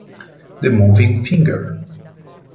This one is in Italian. The Moving Finger